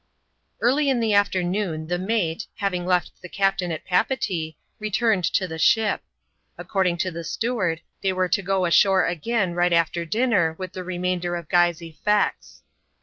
Early in the afternoon, the mate, having left the captain at Papeetee, returned to the ship. According to the steward, they were to go ashore again right after dinner with the remainder of Guy's effects.